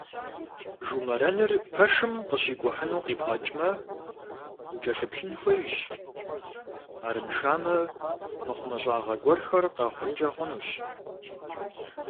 Жумэрэныр пэшым къыщикӏухьыну къибгъэкӏмэ, укӏэлъыплъын хуейщ, арыншамэ, мыхъумыщӏагъэ гуэрхэр къэхъункӏэ хъунущ.